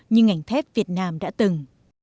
như ngành thép việt nam đã từng